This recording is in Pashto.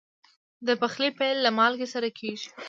د پخلي پیل له مالګې سره کېږي.